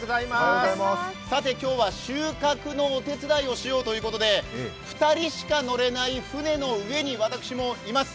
今日は収穫のお手伝いをしようということで、２人しか乗れない舟の上に私もいます。